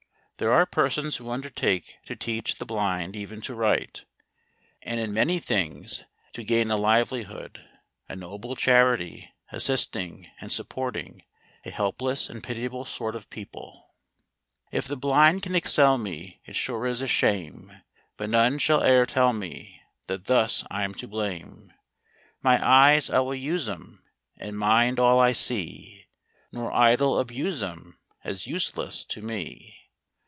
There are persons who undertake to teach the blind even to write; and in many things to gain 80 HOLLAND. a livelihood : a noble charity, assisting, and sup¬ porting, a helpless and pitiable sort of people. t ~~ If the blind can excel me, it sure is a shame; But none shall e'er tell me, that thus I'm to blame, My eyes I will use 'em, and mind all I see; Nor idle abuse 'em, as useless to me.